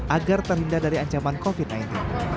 agar terhindar dari ancaman covid sembilan belas